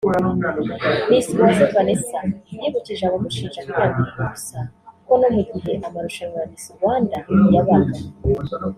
Miss Uwase Vanessa yibukije abamushinja kwiyambika ubusa ko no mu gihe amarushanwa ya Miss Rwanda yabaga